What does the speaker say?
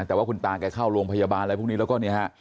แต่ว่าคุณตาแกเข้าโรงพยาบาลอะไรพวกนี้แล้วก็เนี่ยฮะ